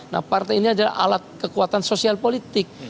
nah partai ini adalah alat kekuatan sosial politik